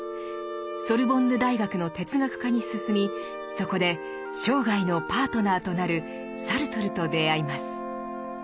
ソルボンヌ大学の哲学科に進みそこで生涯のパートナーとなるサルトルと出会います。